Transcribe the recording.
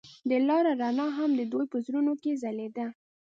د لاره رڼا هم د دوی په زړونو کې ځلېده.